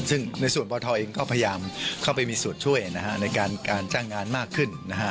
ซึ่งในส่วนปทเองก็พยายามเข้าไปมีส่วนช่วยในการจ้างงานมากขึ้น